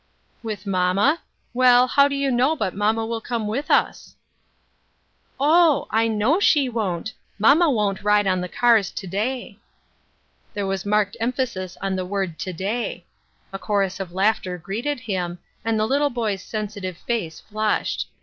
" With mamma ? Well, how do you know but mamma will come with us ?"" Oh ! I know she won't ; mamma won't ride on the cars to day." There was marked emphasis on the word "to day." A chorus of laughter greeted him, and the little boy's sensitive face flushed.